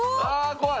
怖い。